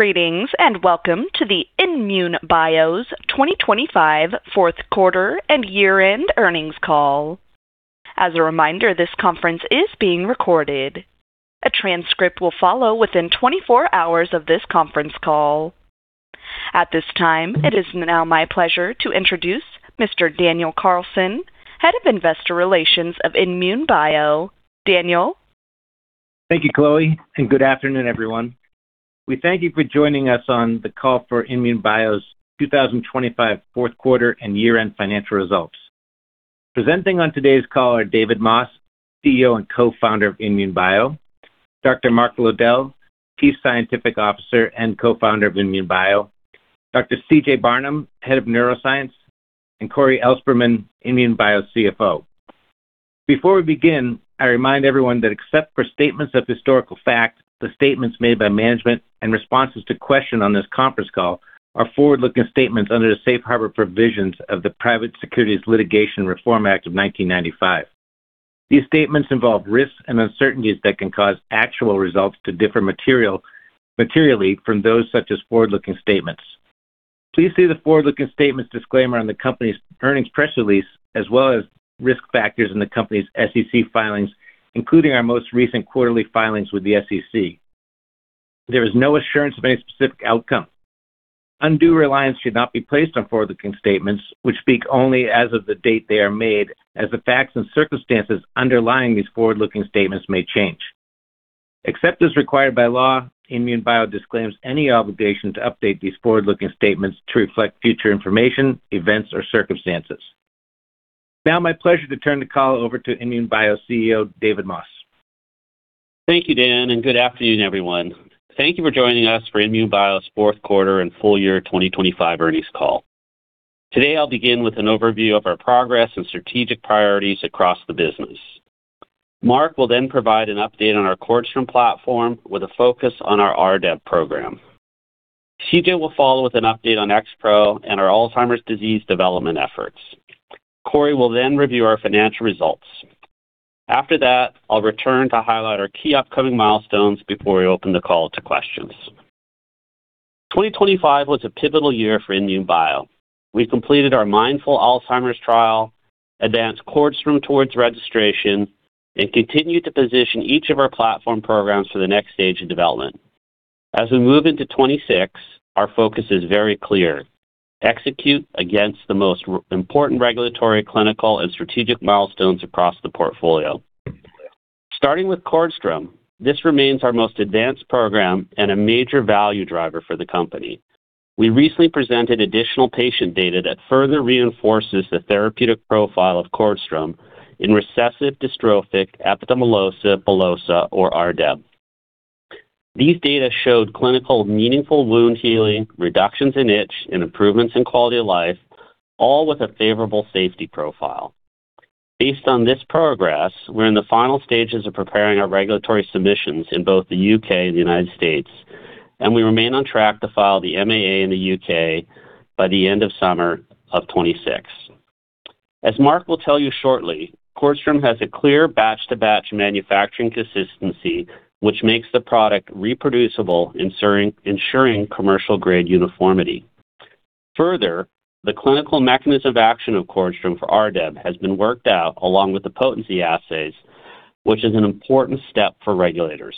Greetings, and welcome to the INmune Bio's 2025 fourth quarter and year-end earnings call. As a reminder, this conference is being recorded. A transcript will follow within 24 hours of this conference call. At this time, it is now my pleasure to introduce Mr. Daniel Carlson, Head of Investor Relations of INmune Bio. Daniel. Thank you, Chloe, and good afternoon, everyone. We thank you for joining us on the call for INmune Bio's 2025 fourth quarter and year-end financial results. Presenting on today's call are David Moss, CEO and Co-Founder of INmune Bio, Dr. Mark Lowdell, Chief Scientific Officer and Co-Founder of INmune Bio, Dr. CJ Barnum, Head of Neuroscience, INmune Bio, and Cory Ellspermann, Interim Chief Financial Officer, INmune Bio. Before we begin, I remind everyone that except for statements of historical fact, the statements made by management in responses to questions on this conference call are forward-looking statements under the safe harbor provisions of the Private Securities Litigation Reform Act of 1995. These statements involve risks and uncertainties that can cause actual results to differ materially from those expressed in such forward-looking statements. Please see the forward-looking statements disclaimer on the company's earnings press release, as well as risk factors in the company's SEC filings, including our most recent quarterly filings with the SEC. There is no assurance of any specific outcome. Undue reliance should not be placed on forward-looking statements which speak only as of the date they are made as the facts and circumstances underlying these forward-looking statements may change. Except as required by law, INmune Bio disclaims any obligation to update these forward-looking statements to reflect future information, events or circumstances. It's now my pleasure to turn the call over to INmune Bio CEO, David Moss. Thank you, Dan, and good afternoon, everyone. Thank you for joining us for INmune Bio's fourth quarter and full-year 2025 earnings call. Today, I'll begin with an overview of our progress and strategic priorities across the business. Mark will then provide an update on our CORDStrom platform with a focus on our RDEB program. CJ will follow with an update on XPro and our Alzheimer's disease development efforts. Cory will then review our financial results. After that, I'll return to highlight our key upcoming milestones before we open the call to questions. 2025 was a pivotal year for INmune Bio. We completed our MINDFuL Alzheimer's trial, advanced CORDStrom towards registration, and continued to position each of our platform programs for the next stage of development. As we move into 2026, our focus is very clear. Execute against the most important regulatory, clinical, and strategic milestones across the portfolio. Starting with CORDStrom, this remains our most advanced program and a major value driver for the company. We recently presented additional patient data that further reinforces the therapeutic profile of CORDStrom in recessive dystrophic epidermolysis bullosa or RDEB. These data showed clinically meaningful wound healing, reductions in itch, and improvements in quality of life, all with a favorable safety profile. Based on this progress, we're in the final stages of preparing our regulatory submissions in both the U.K. and the United States, and we remain on track to file the MAA in the U.K. by the end of summer of 2026. As Mark will tell you shortly, CORDStrom has a clear batch-to-batch manufacturing consistency which makes the product reproducible, ensuring commercial grade uniformity. Further, the clinical mechanism of action of CORDStrom for RDEB has been worked out along with the potency assays, which is an important step for regulators.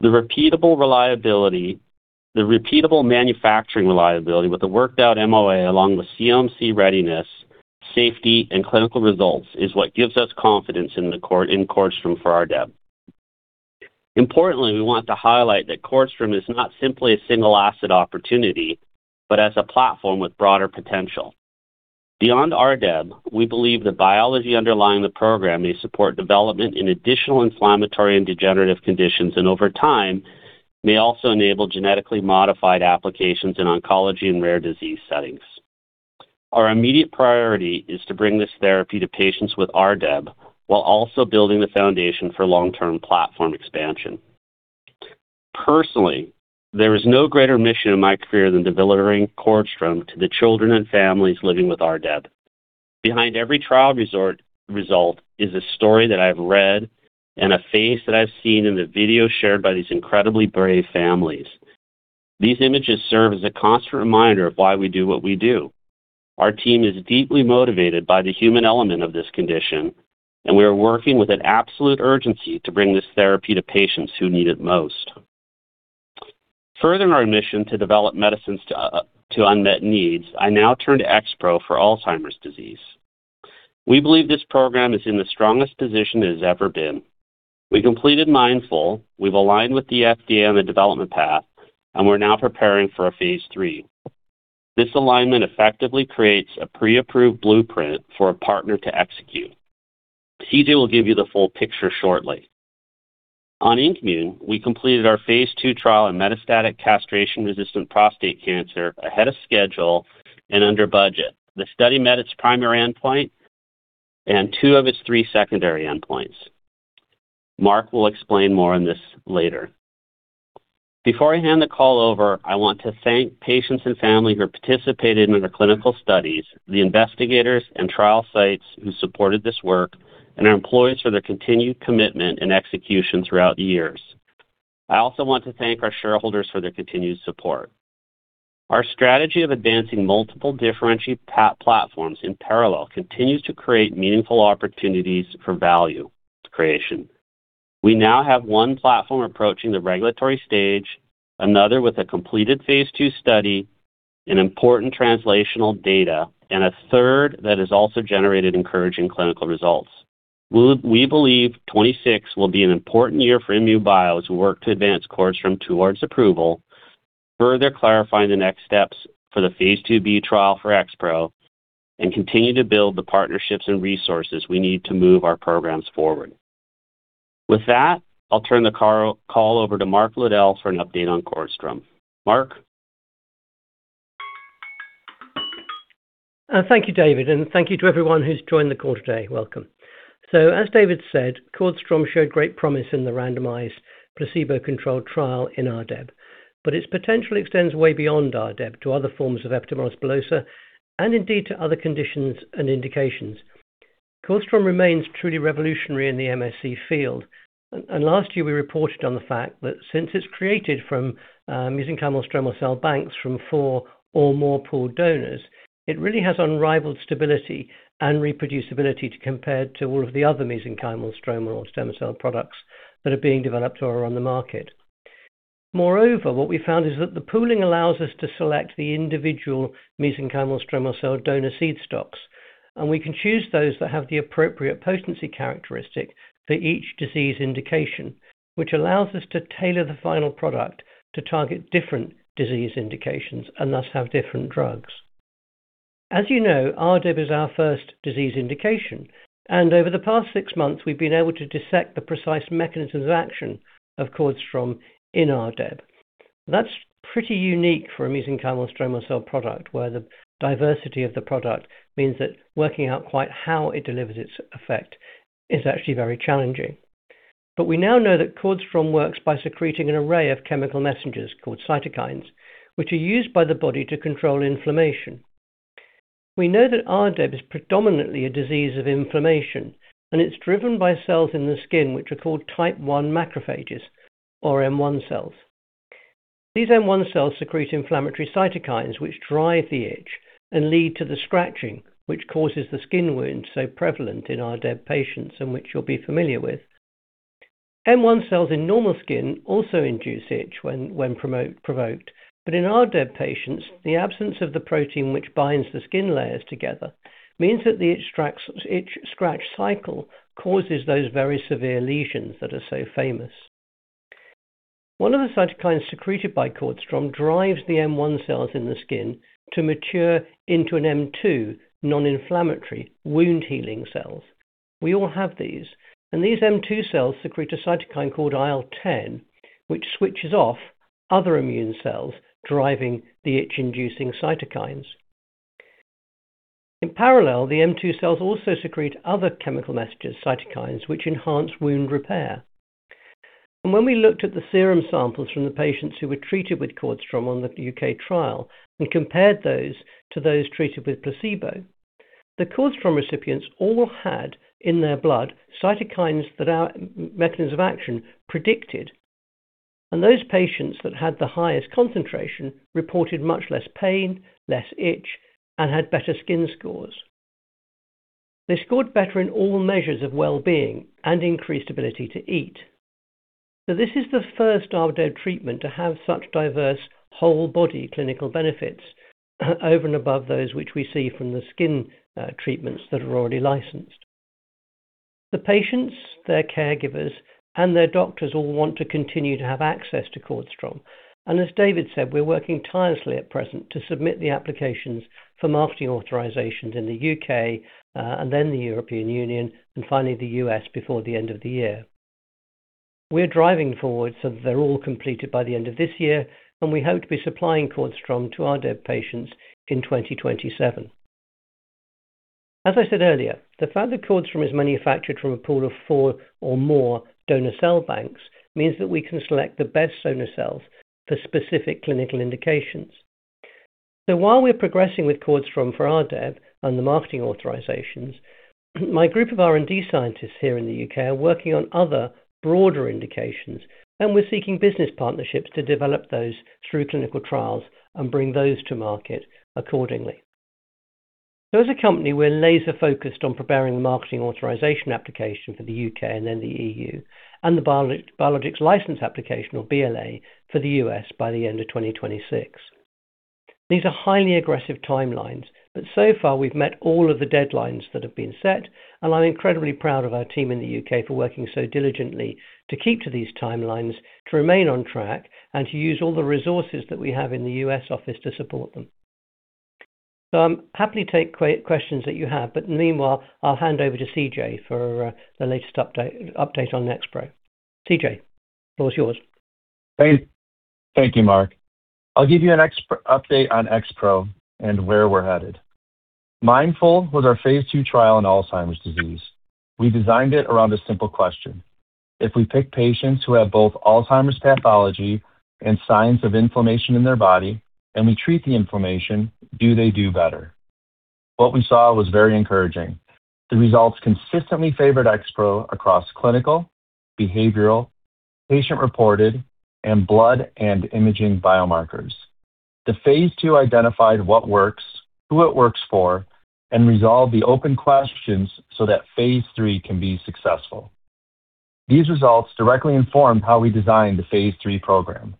The repeatable manufacturing reliability with the worked out MOA along with CMC readiness, safety, and clinical results is what gives us confidence in CORDStrom for RDEB. Importantly, we want to highlight that CORDStrom is not simply a single asset opportunity, but as a platform with broader potential. Beyond RDEB, we believe the biology underlying the program may support development in additional inflammatory and degenerative conditions, and over time, may also enable genetically modified applications in oncology and rare disease settings. Our immediate priority is to bring this therapy to patients with RDEB while also building the foundation for long-term platform expansion. Personally, there is no greater mission in my career than delivering CORDStrom to the children and families living with RDEB. Behind every trial result is a story that I've read and a face that I've seen in the video shared by these incredibly brave families. These images serve as a constant reminder of why we do what we do. Our team is deeply motivated by the human element of this condition, and we are working with an absolute urgency to bring this therapy to patients who need it most. Furthering our mission to develop medicines to unmet needs, I now turn to XPro for Alzheimer's disease. We believe this program is in the strongest position it has ever been. We completed MINDFuL, we've aligned with the FDA on the development path, and we're now preparing for a phase III. This alignment effectively creates a pre-approved blueprint for a partner to execute. CJ will give you the full picture shortly. On INKmune, we completed our phase II trial in metastatic castration-resistant prostate cancer ahead of schedule and under budget. The study met its primary endpoint and two of its three secondary endpoints. Mark will explain more on this later. Before I hand the call over, I want to thank patients and family who participated in the clinical studies, the investigators and trial sites who supported this work, and our employees for their continued commitment and execution throughout the years. I also want to thank our shareholders for their continued support. Our strategy of advancing multiple differentiated platforms in parallel continues to create meaningful opportunities for value creation. We now have one platform approaching the regulatory stage, another with a completed phase II study and important translational data, and a third that has also generated encouraging clinical results. We believe 2026 will be an important year for INmune Bio as we work to advance CORDStrom towards approval, further clarifying the next steps for the phase II-B trial for XPro, and continue to build the partnerships and resources we need to move our programs forward. With that, I'll turn the call over to Mark Lowdell for an update on CORDStrom. Mark. Thank you, David, and thank you to everyone who's joined the call today. Welcome. As David said, CORDStrom showed great promise in the randomized placebo-controlled trial in RDEB, but its potential extends way beyond RDEB to other forms of epidermolysis bullosa and indeed to other conditions and indications. CORDStrom remains truly revolutionary in the MSC field. Last year we reported on the fact that since it's created from mesenchymal stromal cell banks from four or more pooled donors, it really has unrivaled stability and reproducibility as compared to all of the other mesenchymal stromal or stem cell products that are being developed or are on the market. Moreover, what we found is that the pooling allows us to select the individual mesenchymal stromal cell donor seed stocks, and we can choose those that have the appropriate potency characteristic for each disease indication, which allows us to tailor the final product to target different disease indications and thus have different drugs. As you know, RDEB is our first disease indication, and over the past six months, we've been able to dissect the precise mechanisms of action of CORDStrom in RDEB. That's pretty unique for a mesenchymal stromal cell product, where the diversity of the product means that working out quite how it delivers its effect is actually very challenging. But we now know that CORDStrom works by secreting an array of chemical messengers called cytokines, which are used by the body to control inflammation. We know that RDEB is predominantly a disease of inflammation, and it's driven by cells in the skin which are called type one macrophages or M1 cells. These M1 cells secrete inflammatory cytokines which drive the itch and lead to the scratching, which causes the skin wounds so prevalent in RDEB patients and which you'll be familiar with. M1 cells in normal skin also induce itch when provoked, but in RDEB patients, the absence of the protein which binds the skin layers together means that the itch-scratch cycle causes those very severe lesions that are so famous. One of the cytokines secreted by CORDStrom drives the M1 cells in the skin to mature into an M2 non-inflammatory wound-healing cells. We all have these, and these M2 cells secrete a cytokine called IL-10, which switches off other immune cells driving the itch-inducing cytokines. In parallel, the M2 cells also secrete other chemical messengers, cytokines, which enhance wound repair. When we looked at the serum samples from the patients who were treated with CORDStrom on the U.K. trial and compared those to those treated with placebo, the CORDStrom recipients all had in their blood cytokines that our mechanisms of action predicted. Those patients that had the highest concentration reported much less pain, less itch, and had better skin scores. They scored better in all measures of well-being and increased ability to eat. This is the first RDEB treatment to have such diverse whole body clinical benefits over and above those which we see from the skin treatments that are already licensed. The patients, their caregivers, and their doctors all want to continue to have access to CORDStrom. As David said, we're working tirelessly at present to submit the applications for marketing authorizations in the U.K., and then the European Union and finally the U.S. before the end of the year. We're driving forward, so they're all completed by the end of this year, and we hope to be supplying CORDStrom to RDEB patients in 2027. As I said earlier, the fact that CORDStrom is manufactured from a pool of four or more donor cell banks means that we can select the best donor cells for specific clinical indications. While we're progressing with CORDStrom for RDEB and the marketing authorizations, my group of R&D scientists here in the U.K. are working on other broader indications, and we're seeking business partnerships to develop those through clinical trials and bring those to market accordingly. As a company, we're laser-focused on preparing the marketing authorization application for the U.K. and then the EU and the Biologics License Application or BLA for the U.S. by the end of 2026. These are highly aggressive timelines, but so far we've met all of the deadlines that have been set, and I'm incredibly proud of our team in the U.K. for working so diligently to keep to these timelines, to remain on track, and to use all the resources that we have in the U.S. office to support them. I'm happy to take questions that you have, but meanwhile, I'll hand over to CJ for the latest update on XPro. CJ, the floor is yours. Thank you, Mark. I'll give you an update on XPro and where we're headed. MINDFuL was our phase II trial on Alzheimer's disease. We designed it around a simple question. If we pick patients who have both Alzheimer's pathology and signs of inflammation in their body and we treat the inflammation, do they do better? What we saw was very encouraging. The results consistently favored XPro across clinical, behavioral, patient-reported, and blood and imaging biomarkers. The phase II identified what works, who it works for, and resolved the open questions so that phase III can be successful. These results directly informed how we designed the phase III program.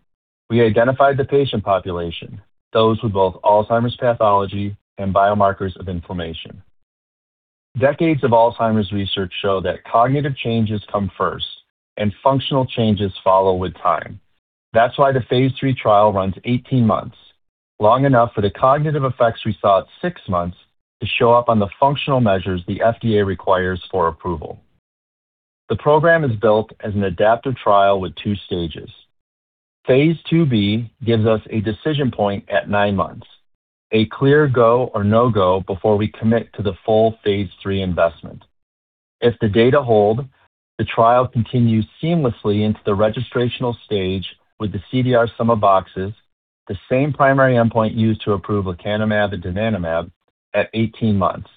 We identified the patient population, those with both Alzheimer's pathology and biomarkers of inflammation. Decades of Alzheimer's research show that cognitive changes come first and functional changes follow with time. That's why the phase III trial runs 18 months, long enough for the cognitive effects we saw at six months to show up on the functional measures the FDA requires for approval. The program is built as an adaptive trial with two stages. Phase II-B gives us a decision point at nine months, a clear go or no-go before we commit to the full phase III investment. If the data hold, the trial continues seamlessly into the registrational stage with the CDR-SB, the same primary endpoint used to approve lecanemab and donanemab at 18 months.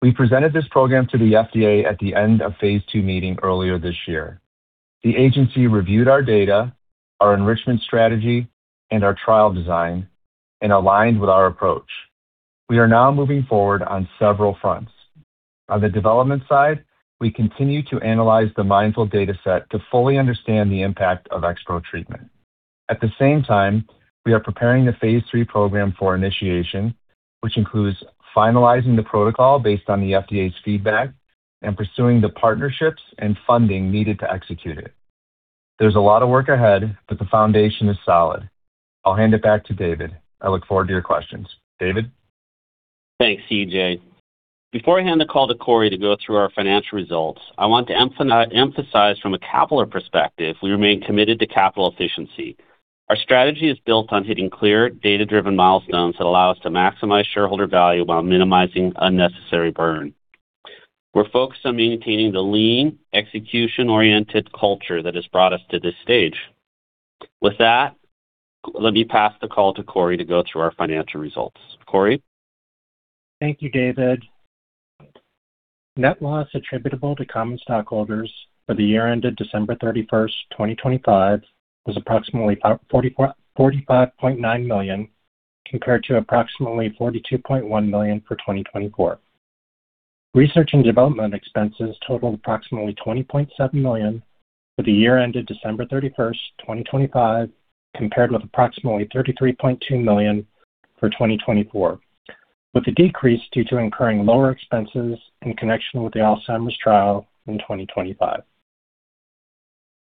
We presented this program to the FDA at the end-of-phase II meeting earlier this year. The agency reviewed our data, our enrichment strategy, and our trial design and aligned with our approach. We are now moving forward on several fronts. On the development side, we continue to analyze the MINDFuL dataset to fully understand the impact of XPro treatment. At the same time, we are preparing the phase III program for initiation, which includes finalizing the protocol based on the FDA's feedback and pursuing the partnerships and funding needed to execute it. There's a lot of work ahead, but the foundation is solid. I'll hand it back to David. I look forward to your questions. David. Thanks, CJ. Before I hand the call to Cory to go through our financial results, I want to emphasize from a capital perspective, we remain committed to capital efficiency. Our strategy is built on hitting clear data-driven milestones that allow us to maximize shareholder value while minimizing unnecessary burn. We're focused on maintaining the lean, execution-oriented culture that has brought us to this stage. With that, let me pass the call to Cory to go through our financial results. Cory. Thank you, David. Net loss attributable to common stockholders for the year ended December 31, 2025 was approximately $45.9 million, compared to approximately $42.1 million for 2024. Research and development expenses totaled approximately $20.7 million for the year ended December 31, 2025, compared with approximately $33.2 million for 2024, with the decrease due to incurring lower expenses in connection with the Alzheimer's trial in 2025.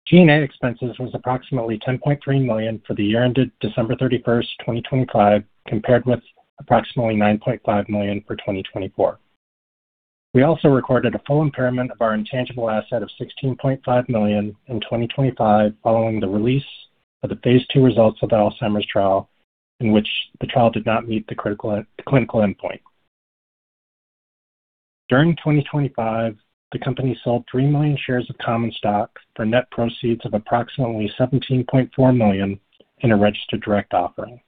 G&A expenses was approximately $10.3 million for the year ended December 31, 2025, compared with approximately $9.5 million for 2024. We also recorded a full impairment of our intangible asset of $16.5 million in 2025 following the release of the phase II results of the Alzheimer's trial, in which the trial did not meet the clinical endpoint. During 2025, the company sold three million shares of common stock for net proceeds of approximately $17.4 million in a registered direct offering.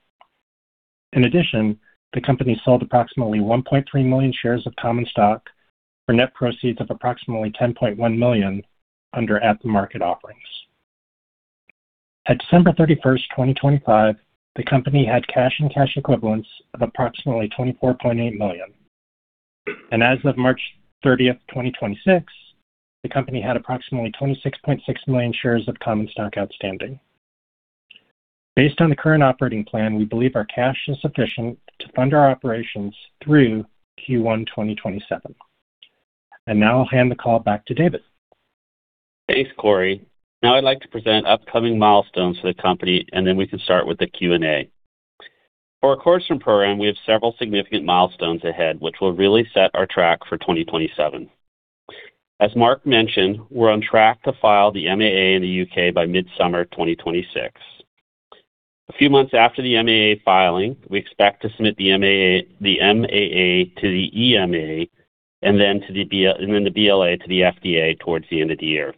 In addition, the company sold approximately 1.3 million shares of common stock for net proceeds of approximately $10.1 million under at-the-market offerings. At December 31, 2025, the company had cash and cash equivalents of approximately $24.8 million. As of March 30, 2026, the company had approximately 26.6 million shares of common stock outstanding. Based on the current operating plan, we believe our cash is sufficient to fund our operations through Q1 2027. Now I'll hand the call back to David. Thanks, Cory. Now I'd like to present upcoming milestones for the company, and then we can start with the Q&A. For our CORDStrom program, we have several significant milestones ahead, which will really set our track for 2027. As Mark mentioned, we're on track to file the MAA in the U.K. by mid-summer 2026. A few months after the MAA filing, we expect to submit the MAA to the EMA and then the BLA to the FDA towards the end of the year.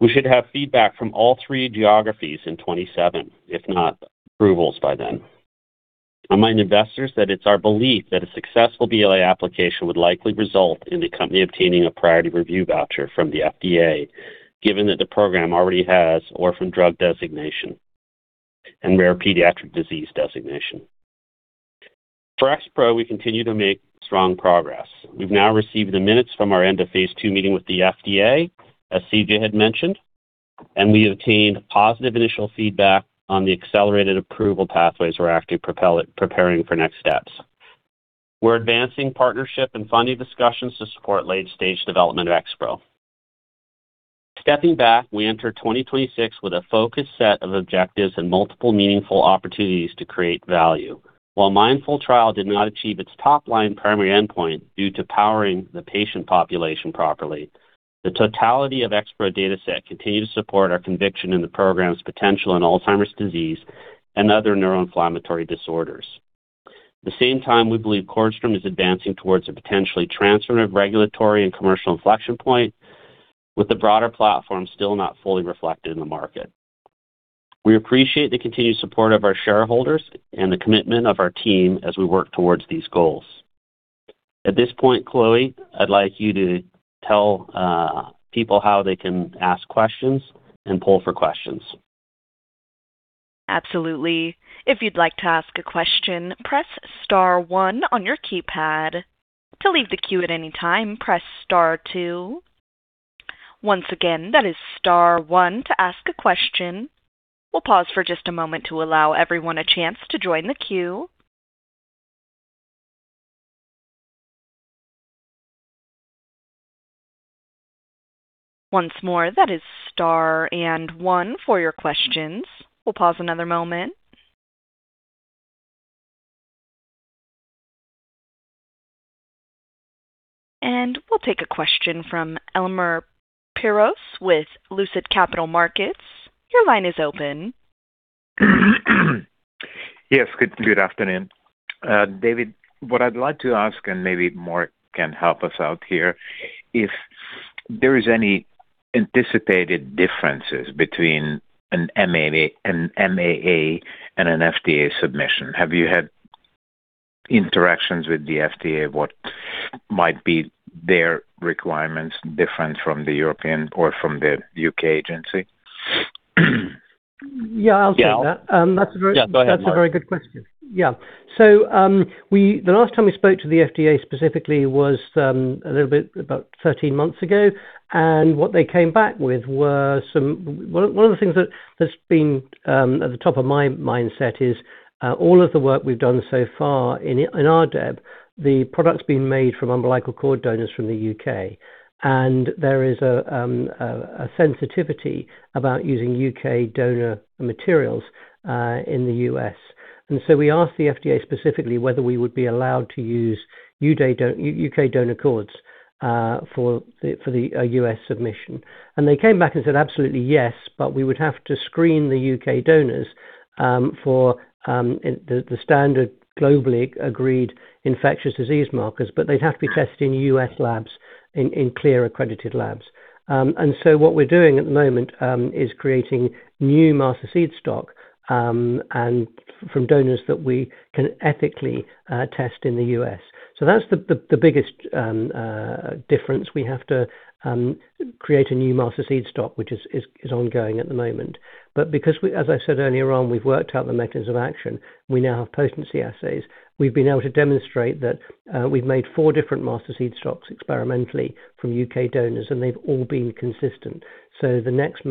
We should have feedback from all three geographies in 2027, if not approvals by then. I remind investors that it's our belief that a successful BLA application would likely result in the company obtaining a priority review voucher from the FDA, given that the program already has orphan drug designation and rare pediatric disease designation. For XPro, we continue to make strong progress. We've now received the minutes from our end-of-phase II meeting with the FDA, as CJ had mentioned, and we obtained positive initial feedback on the accelerated approval pathways we're actively preparing for next steps. We're advancing partnership and funding discussions to support late-stage development of XPro. Stepping back, we enter 2026 with a focused set of objectives and multiple meaningful opportunities to create value. While MINDFuL trial did not achieve its top-line primary endpoint due to powering the patient population properly, the totality of XPro dataset continues to support our conviction in the program's potential in Alzheimer's disease and other neuroinflammatory disorders. At the same time, we believe CORDStrom is advancing towards a potentially transformative regulatory and commercial inflection point, with the broader platform still not fully reflected in the market. We appreciate the continued support of our shareholders and the commitment of our team as we work towards these goals. At this point, Chloe, I'd like you to tell people how they can ask questions and poll for questions. We'll take a question from Elemer Piros with Lucid Capital Markets. Your line is open. Yes. Good afternoon. David, what I'd like to ask, and maybe Mark can help us out here, if there is any anticipated differences between an MAA and an FDA submission. Have you had interactions with the FDA, what might be their requirements different from the European or from the U.K. agency? Yeah, I'll take that. Yeah. Um, that's a very- Yeah, go ahead, Mark. That's a very good question. Yeah. The last time we spoke to the FDA specifically was a little bit about 13 months ago, and what they came back with were some. One of the things that has been at the top of my mindset is all of the work we've done so far in our RDEB, the product's been made from umbilical cord donors from the U.K.. There is a sensitivity about using U.K. donor materials in the U.S.. We asked the FDA specifically whether we would be allowed to use U.K. donor cords for the U.S. submission. They came back and said, "Absolutely, yes, but we would have to screen the U.K. donors for the standard globally agreed infectious disease markers, but they'd have to be tested in U.S. labs, in CLIA-accredited labs." What we're doing at the moment is creating new master seed stock from donors that we can ethically test in the U.S.. That's the biggest difference. We have to create a new master seed stock, which is ongoing at the moment. Because, as I said earlier on, we've worked out the mechanism of action, we now have potency assays. We've been able to demonstrate that we've made four different master seed stocks experimentally from U.K. donors, and they've all been consistent. The next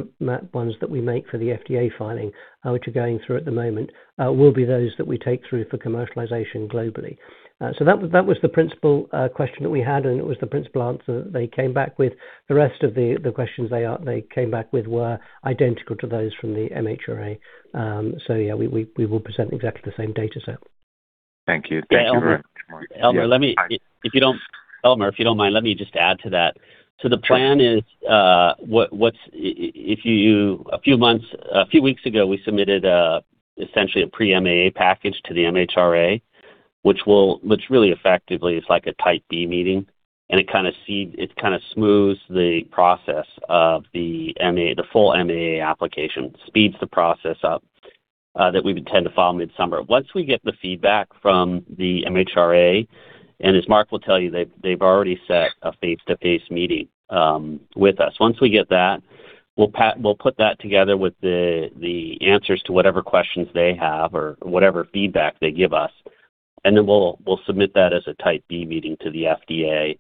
ones that we make for the FDA filing, which are going through at the moment, will be those that we take through for commercialization globally. That was the principal question that we had, and it was the principal answer they came back with. The rest of the questions they came back with were identical to those from the MHRA. We will present exactly the same data set. Thank you. Thank you very much, Mark. Elemer, let me- Yeah. Elemer, if you don't mind, let me just add to that. Sure. The plan is, a few weeks ago, we submitted essentially a pre-MAA package to the MHRA, which really effectively is like a Type D meeting, and it kinda smooths the process of the MA, the full MAA application, speeds the process up, that we would tend to file midsummer. Once we get the feedback from the MHRA, and as Mark will tell you, they've already set a face-to-face meeting with us. Once we get that, we'll put that together with the answers to whatever questions they have or whatever feedback they give us, and then we'll submit that as a Type D meeting to the FDA,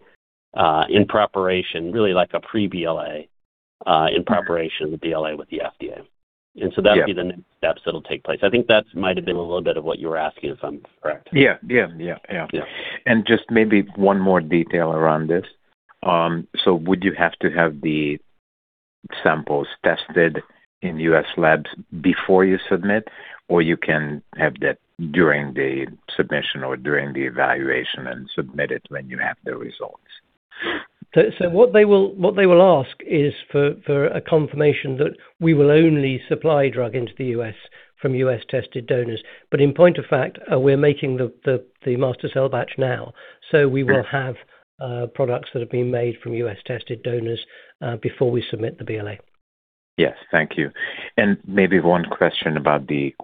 in preparation, really like a pre-BLA, in preparation the BLA with the FDA. Yeah. That'll be the next steps that'll take place. I think that might have been a little bit of what you were asking if I'm correct. Yeah. Yeah. Just maybe one more detail around this. So would you have to have the samples tested in U.S. labs before you submit, or you can have that during the submission or during the evaluation and submit it when you have the results? What they will ask is for a confirmation that we will only supply drug into the U.S. from U.S.-tested donors. In point of fact, we're making the master cell batch now. We will have products that have been made from U.S.-tested donors before we submit the BLA. Yes. Thank you. Maybe one question about the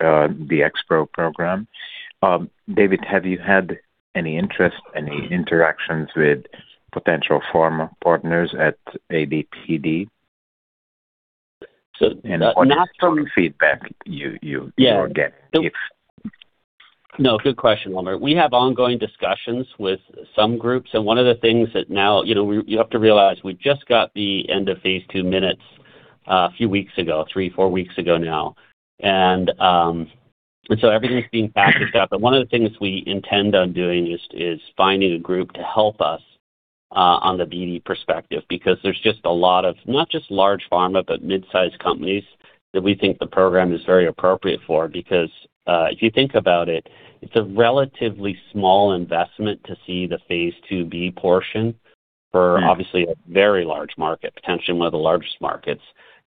XPro program. David, have you had any interest, any interactions with potential pharma partners at AD/PD? So the- What sort of feedback you get? No, good question, Elemer. We have ongoing discussions with some groups, and one of the things that now, you know, we—you have to realize we just got the end of phase II meeting a few weeks ago, three, four weeks ago now. Everything's being packaged up. One of the things we intend on doing is finding a group to help us on the BD perspective, because there's just a lot of, not just large pharma, but mid-sized companies that we think the program is very appropriate for because, if you think about it's a relatively small investment to see the phase II-B portion for obviously a very large market, potentially one of the largest markets,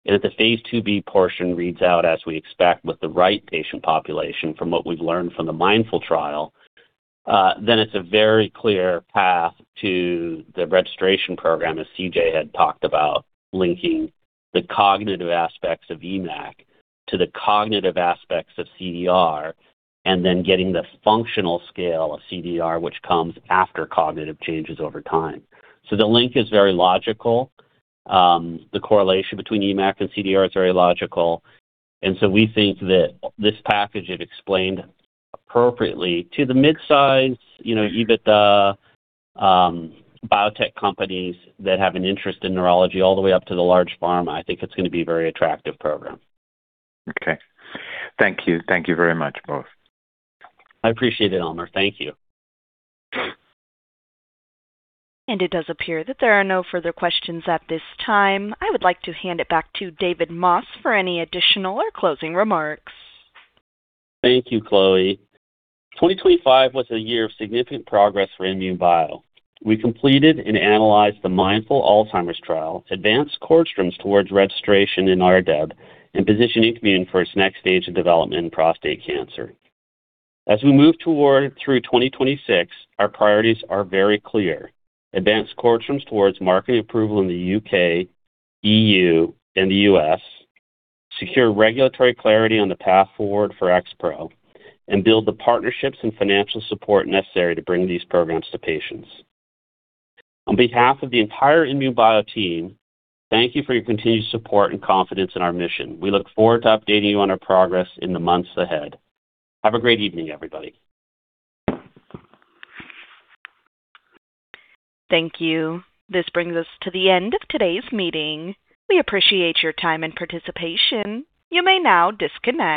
and if the phase II-B portion reads out as we expect with the right patient population from what we've learned from the MINDFuL trial, then it's a very clear path to the registration program, as CJ had talked about, linking the cognitive aspects of EMACC to the cognitive aspects of CDR and then getting the functional scale of CDR, which comes after cognitive changes over time. The link is very logical. The correlation between EMACC and CDR is very logical. We think that this package, if explained appropriately to the mid-size, you know, EBITDA, biotech companies that have an interest in neurology all the way up to the large pharma, I think it's going to be a very attractive program. Okay. Thank you. Thank you very much, both. I appreciate it, Elemer. Thank you. It does appear that there are no further questions at this time. I would like to hand it back to David Moss for any additional or closing remarks. Thank you, Chloe. 2025 was a year of significant progress for INmune Bio. We completed and analyzed the MINDFuL Alzheimer's trial, advanced CORDStrom towards registration in RDEB, and positioning INKmune for its next stage of development in prostate cancer. As we move towards 2026, our priorities are very clear. Advance CORDStrom towards market approval in the U.K., EU, and the U.S.. Secure regulatory clarity on the path forward for XPro, and build the partnerships and financial support necessary to bring these programs to patients. On behalf of the entire INmune Bio team, thank you for your continued support and confidence in our mission. We look forward to updating you on our progress in the months ahead. Have a great evening, everybody. Thank you. This brings us to the end of today's meeting. We appreciate your time and participation. You may now disconnect.